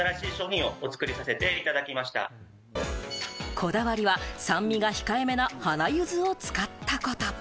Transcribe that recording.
こだわりは酸味が控えめな花ゆずを使ったこと。